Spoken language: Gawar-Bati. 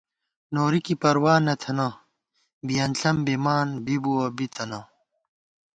نوری کی پروا نہ تھنہ بِیَن ݪم بِمان بی بُوَہ بِی تنہ